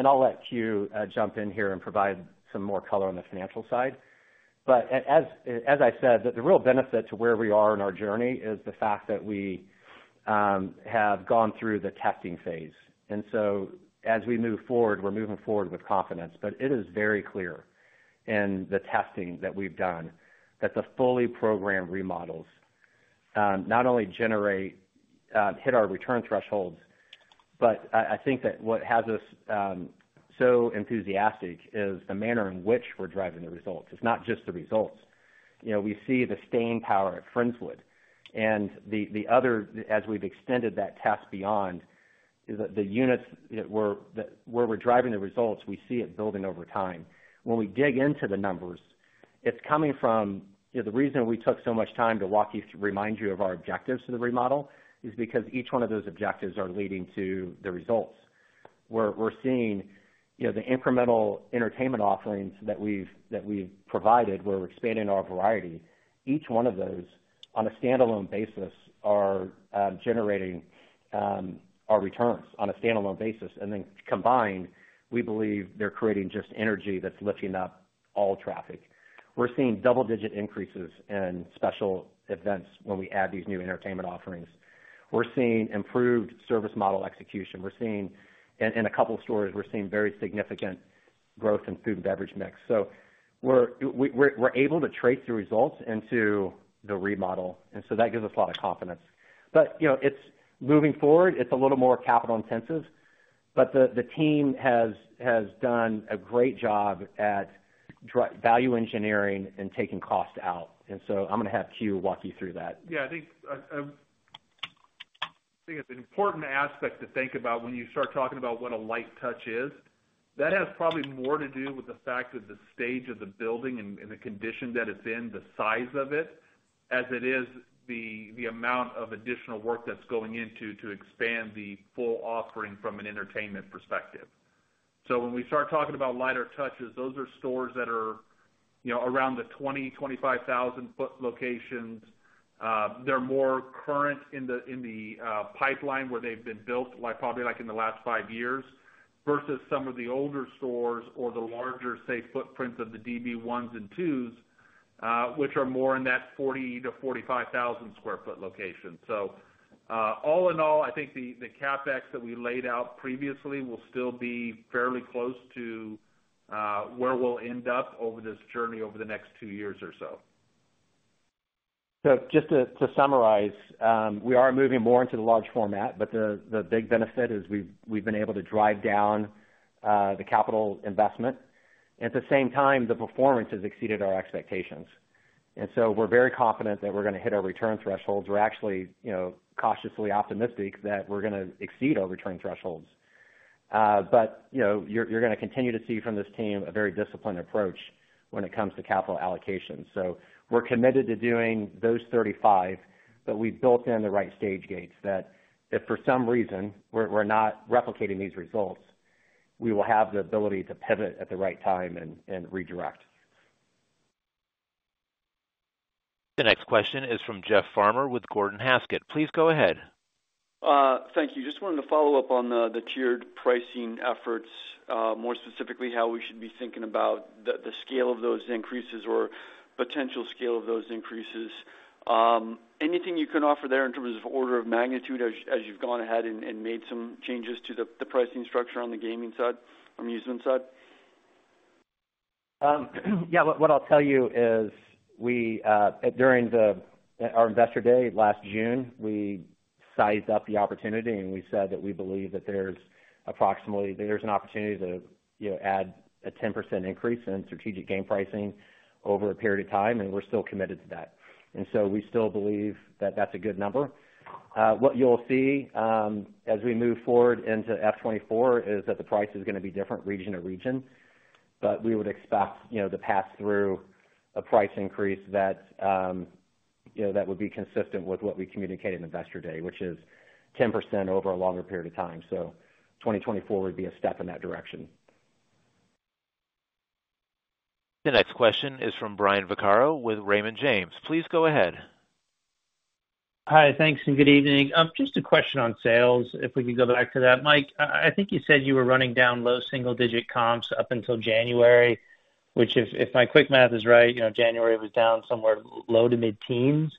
I'll let Q jump in here and provide some more color on the financial side. As I said, the real benefit to where we are in our journey is the fact that we have gone through the testing phase. So as we move forward, we're moving forward with confidence. It is very clear in the testing that we've done that the fully programmed remodels not only hit our return thresholds, but I think that what has us so enthusiastic is the manner in which we're driving the results. It's not just the results. We see the staying power at Friendswood. As we've extended that test beyond, the units where we're driving the results, we see it building over time. When we dig into the numbers, it's coming from the reason we took so much time to remind you of our objectives for the remodel is because each one of those objectives are leading to the results. We're seeing the incremental entertainment offerings that we've provided where we're expanding our variety, each one of those, on a standalone basis, are generating our returns on a standalone basis. And then combined, we believe they're creating just energy that's lifting up all traffic. We're seeing double-digit increases in special events when we add these new entertainment offerings. We're seeing improved service model execution. In a couple of stores, we're seeing very significant growth in food and beverage mix. So we're able to trace the results into the remodel. And so that gives us a lot of confidence. But moving forward, it's a little more capital-intensive. But the team has done a great job at value engineering and taking cost out. And so I'm going to have Q walk you through that. Yeah. I think it's an important aspect to think about when you start talking about what a light touch is. That has probably more to do with the fact that the stage of the building and the condition that it's in, the size of it, as it is the amount of additional work that's going into to expand the full offering from an entertainment perspective. So when we start talking about lighter touches, those are stores that are around the 20,000-25,000 sq ft locations. They're more current in the pipeline where they've been built, probably in the last five years, versus some of the older stores or the larger, say, footprints of the D&B ones and twos, which are more in that 40,000-45,000 sq ft location. All in all, I think the CapEx that we laid out previously will still be fairly close to where we'll end up over this journey over the next two years or so. So just to summarize, we are moving more into the large format, but the big benefit is we've been able to drive down the capital investment. And at the same time, the performance has exceeded our expectations. And so we're very confident that we're going to hit our return thresholds. We're actually cautiously optimistic that we're going to exceed our return thresholds. But you're going to continue to see from this team a very disciplined approach when it comes to capital allocation. So we're committed to doing those 35, but we've built in the right stage gates that if for some reason we're not replicating these results, we will have the ability to pivot at the right time and redirect. The next question is from Jeff Farmer with Gordon Haskett. Please go ahead. Thank you. Just wanted to follow up on the tiered pricing efforts, more specifically how we should be thinking about the scale of those increases or potential scale of those increases? Anything you can offer there in terms of order of magnitude as you've gone ahead and made some changes to the pricing structure on the gaming side, amusement side? Yeah. What I'll tell you is during our investor day last June, we sized up the opportunity, and we said that we believe that there's an opportunity to add a 10% increase in strategic game pricing over a period of time, and we're still committed to that. And so we still believe that that's a good number. What you'll see as we move forward into F-24 is that the price is going to be different region to region. But we would expect to pass through a price increase that would be consistent with what we communicated investor day, which is 10% over a longer period of time. So 2024 would be a step in that direction. The next question is from Brian Vaccaro with Raymond James. Please go ahead. Hi. Thanks. Good evening. Just a question on sales, if we could go back to that. Mike, I think you said you were running down low single-digit comps up until January, which if my quick math is right, January was down somewhere low to mid-teens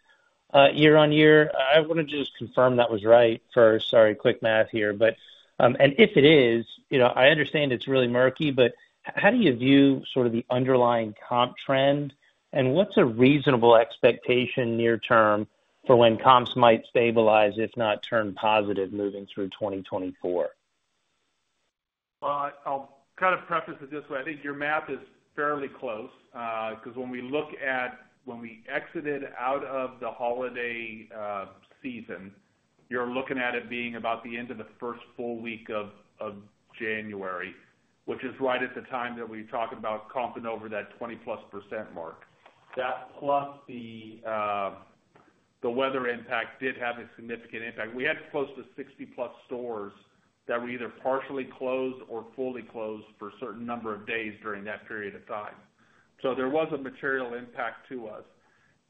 year-over-year. I want to just confirm that was right first. Sorry, quick math here. If it is, I understand it's really murky, but how do you view sort of the underlying comp trend, and what's a reasonable expectation near-term for when comps might stabilize, if not turn positive, moving through 2024? Well, I'll kind of preface it this way. I think your math is fairly close because when we look at when we exited out of the holiday season, you're looking at it being about the end of the first full week of January, which is right at the time that we're talking about comping over that 20%+ mark. That plus the weather impact did have a significant impact. We had close to 60+ stores that were either partially closed or fully closed for a certain number of days during that period of time. So there was a material impact to us.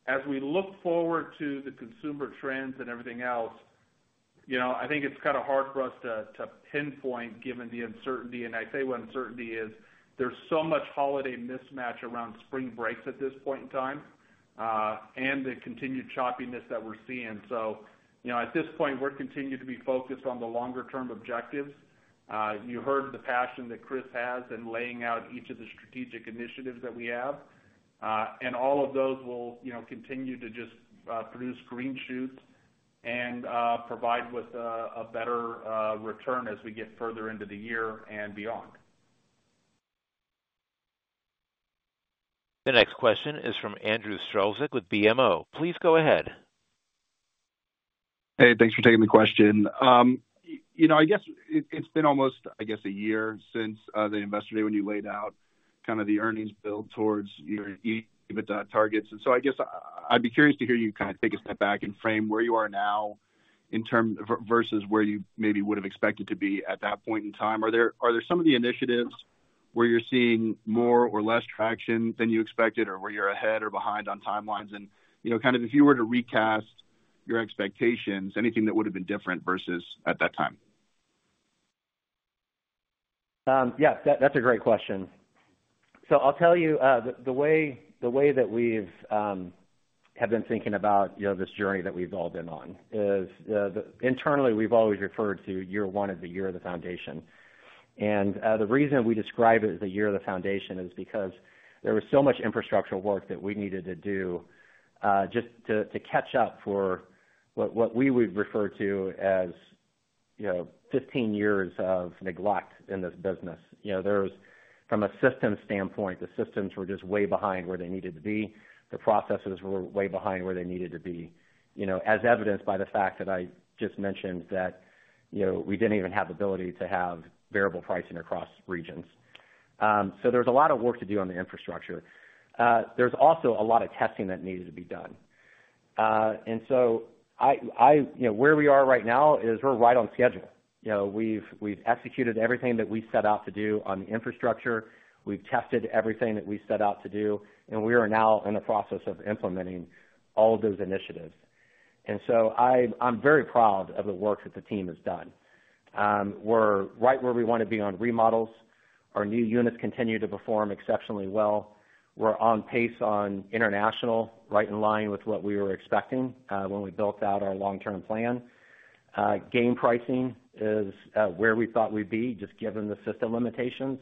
As we look forward to the consumer trends and everything else, I think it's kind of hard for us to pinpoint given the uncertainty. I say when uncertainty is, there's so much holiday mismatch around spring breaks at this point in time and the continued choppiness that we're seeing. At this point, we're continuing to be focused on the longer-term objectives. You heard the passion that Chris has in laying out each of the strategic initiatives that we have. All of those will continue to just produce green shoots and provide with a better return as we get further into the year and beyond. The next question is from Andrew Strelzik with BMO. Please go ahead. Hey. Thanks for taking the question. I guess it's been almost, I guess, a year since the investor day when you laid out kind of the earnings build towards your EBITDA targets. And so I guess I'd be curious to hear you kind of take a step back and frame where you are now versus where you maybe would have expected to be at that point in time. Are there some of the initiatives where you're seeing more or less traction than you expected or where you're ahead or behind on timelines? And kind of if you were to recast your expectations, anything that would have been different versus at that time? Yeah. That's a great question. So I'll tell you, the way that we have been thinking about this journey that we've all been on is internally, we've always referred to year one as the year of the foundation. The reason we describe it as the year of the foundation is because there was so much infrastructure work that we needed to do just to catch up for what we would refer to as 15 years of neglect in this business. From a systems standpoint, the systems were just way behind where they needed to be. The processes were way behind where they needed to be, as evidenced by the fact that I just mentioned that we didn't even have the ability to have variable pricing across regions. So there's a lot of work to do on the infrastructure. There's also a lot of testing that needed to be done. Where we are right now is we're right on schedule. We've executed everything that we set out to do on the infrastructure. We've tested everything that we set out to do, and we are now in the process of implementing all of those initiatives. I'm very proud of the work that the team has done. We're right where we want to be on remodels. Our new units continue to perform exceptionally well. We're on pace on international, right in line with what we were expecting when we built out our long-term plan. Game pricing is where we thought we'd be just given the system limitations.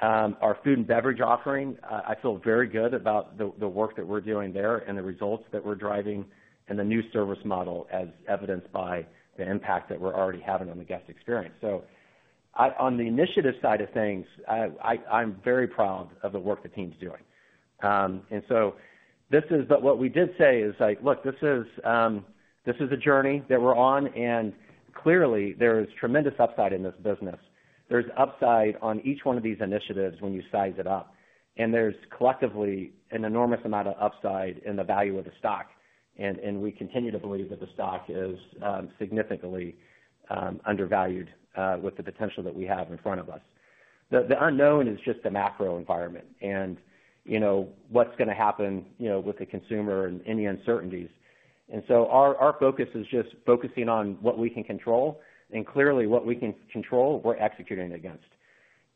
Our food and beverage offering, I feel very good about the work that we're doing there and the results that we're driving in the new service model, as evidenced by the impact that we're already having on the guest experience. So on the initiative side of things, I'm very proud of the work the team's doing. And so what we did say is like, "Look, this is a journey that we're on, and clearly, there is tremendous upside in this business. There's upside on each one of these initiatives when you size it up. And there's collectively an enormous amount of upside in the value of the stock. And we continue to believe that the stock is significantly undervalued with the potential that we have in front of us. The unknown is just the macro environment and what's going to happen with the consumer and any uncertainties. And so our focus is just focusing on what we can control. And clearly, what we can control, we're executing against.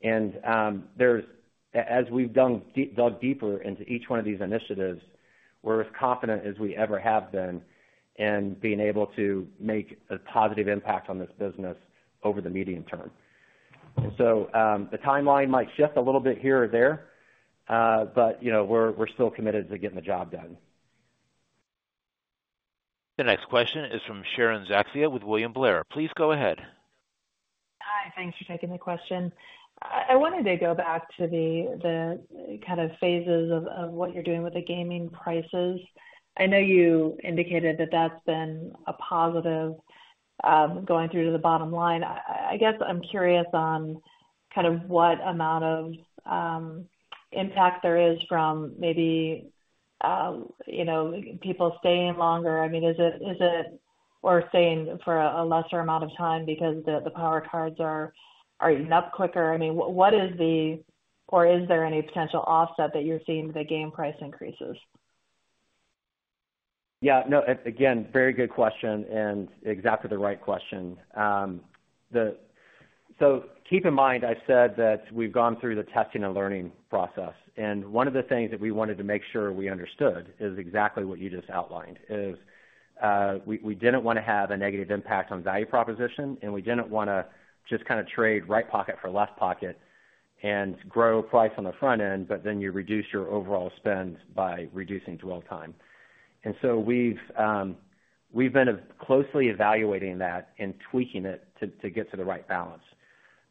As we've dug deeper into each one of these initiatives, we're as confident as we ever have been in being able to make a positive impact on this business over the medium term. So the timeline might shift a little bit here or there, but we're still committed to getting the job done. The next question is from Sharon Zackfia with William Blair. Please go ahead. Hi. Thanks for taking the question. I wanted to go back to the kind of phases of what you're doing with the game prices. I know you indicated that that's been a positive going through to the bottom line. I guess I'm curious on kind of what amount of impact there is from maybe people staying longer. I mean, is it, or staying for a lesser amount of time because the Power Cards are eating up quicker? I mean, what is the, or is there any potential offset that you're seeing to the game price increases? Yeah. No. Again, very good question and exactly the right question. So keep in mind, I've said that we've gone through the testing and learning process. And one of the things that we wanted to make sure we understood is exactly what you just outlined, is we didn't want to have a negative impact on value proposition, and we didn't want to just kind of trade right pocket for left pocket and grow price on the front end, but then you reduce your overall spend by reducing dwell time. And so we've been closely evaluating that and tweaking it to get to the right balance.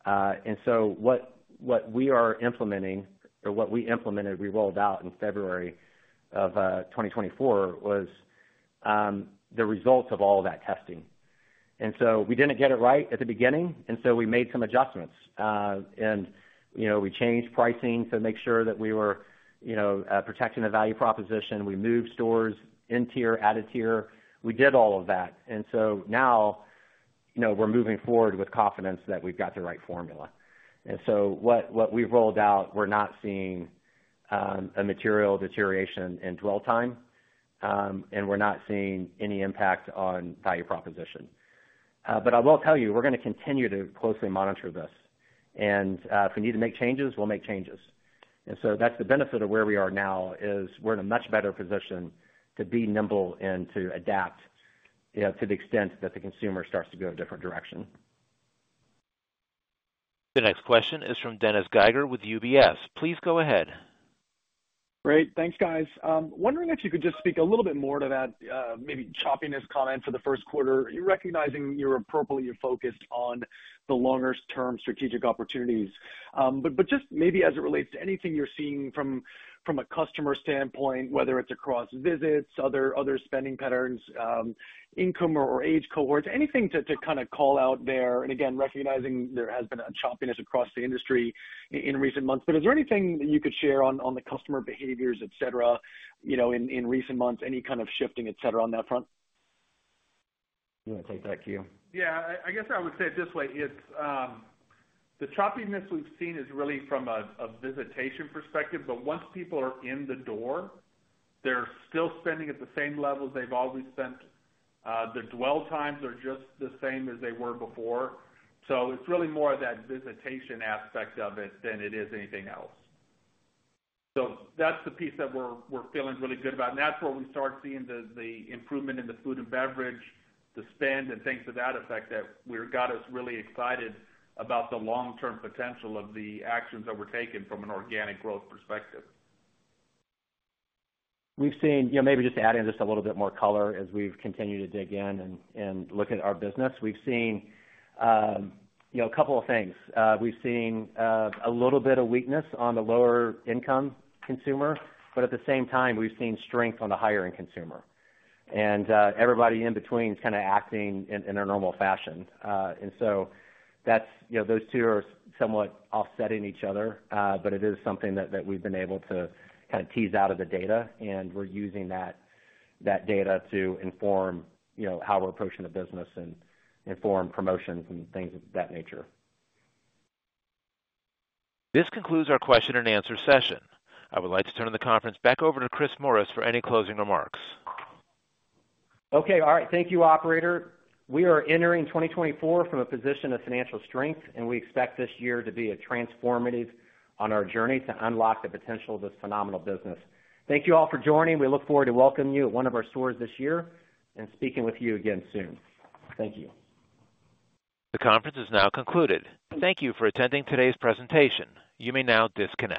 And so what we are implementing or what we implemented, we rolled out in February of 2024, was the results of all of that testing. And so we didn't get it right at the beginning, and so we made some adjustments. We changed pricing to make sure that we were protecting the value proposition. We moved stores in-tier, added-tier. We did all of that. Now we're moving forward with confidence that we've got the right formula. What we've rolled out, we're not seeing a material deterioration in dwell time, and we're not seeing any impact on value proposition. But I will tell you, we're going to continue to closely monitor this. If we need to make changes, we'll make changes. That's the benefit of where we are now, is we're in a much better position to be nimble and to adapt to the extent that the consumer starts to go a different direction. The next question is from Dennis Geiger with UBS. Please go ahead. Great. Thanks, guys. Wondering if you could just speak a little bit more to that maybe choppiness comment for the first quarter, recognizing you're appropriately focused on the longer-term strategic opportunities. But just maybe as it relates to anything you're seeing from a customer standpoint, whether it's across visits, other spending patterns, income or age cohorts, anything to kind of call out there. And again, recognizing there has been a choppiness across the industry in recent months. But is there anything that you could share on the customer behaviors, etc., in recent months, any kind of shifting, etc., on that front? You want to take that, Q? Yeah. I guess I would say it this way. The choppiness we've seen is really from a visitation perspective. But once people are in the door, they're still spending at the same levels they've always spent. The dwell times are just the same as they were before. So it's really more of that visitation aspect of it than it is anything else. So that's the piece that we're feeling really good about. And that's where we start seeing the improvement in the food and beverage, the spend, and things to that effect that got us really excited about the long-term potential of the actions that were taken from an organic growth perspective. Maybe just adding just a little bit more color as we've continued to dig in and look at our business, we've seen a couple of things. We've seen a little bit of weakness on the lower-income consumer, but at the same time, we've seen strength on the higher-end consumer. Everybody in between is kind of acting in a normal fashion. So those two are somewhat offsetting each other, but it is something that we've been able to kind of tease out of the data, and we're using that data to inform how we're approaching the business and inform promotions and things of that nature. This concludes our question-and-answer session. I would like to turn the conference back over to Chris Morris for any closing remarks. Okay. All right. Thank you, operator. We are entering 2024 from a position of financial strength, and we expect this year to be transformative on our journey to unlock the potential of this phenomenal business. Thank you all for joining. We look forward to welcoming you at one of our stores this year and speaking with you again soon. Thank you. The conference is now concluded. Thank you for attending today's presentation. You may now disconnect.